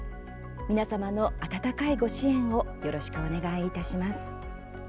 皆様の温かいご支援をよろしくお願いいたします。